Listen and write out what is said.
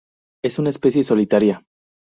Es una especie solitaria.